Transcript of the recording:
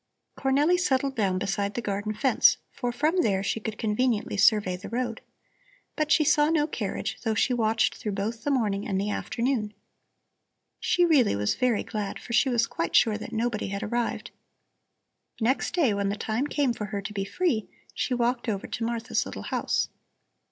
Cornelli settled down beside the garden fence, for from there she could conveniently survey the road. But she saw no carriage, though she watched through both the morning and the afternoon. She really was very glad, for she was quite sure that nobody had arrived. Next day when the time came for her to be free, she walked over to Martha's little house.